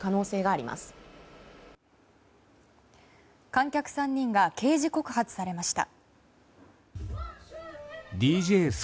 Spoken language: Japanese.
観客３人が刑事告発されました。